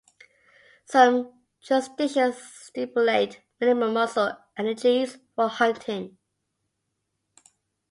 Some jurisdictions stipulate minimum muzzle energies for hunting.